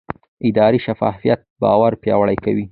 اداري شفافیت باور پیاوړی کوي